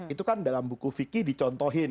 itu kan dalam buku fikih dicontohin